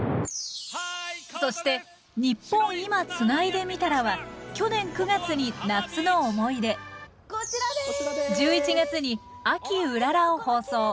そして「ニッポン『今』つないでみたら」は去年９月に「夏の思い出」１１月に「秋うらら」を放送。